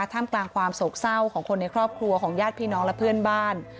ท่ามกลางความโศกเศร้าของคนในครอบครัวของญาติพี่น้องและเพื่อนบ้าน